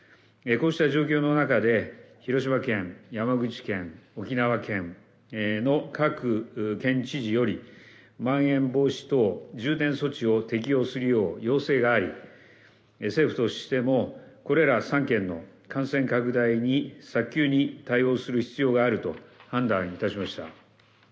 こうした状況の中で、広島県、山口県、沖縄県の各県知事より、まん延防止等重点措置を適用するよう要請があり、政府としても、これら３県の感染拡大に早急に対応する必要があると判断いたしました。